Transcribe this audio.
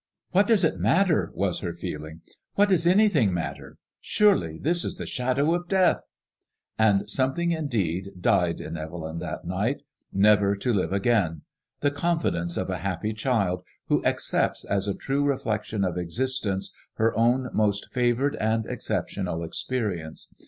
" What does it matter ?" wa . her feeling. ''What does any thing matter ? Surely this is the shadow of death ?" And something indeed died in Evelyn that night» never to live again ; the confidence of a happy child who accepts as a true re flection of existence her own most favoured and exceptional experience.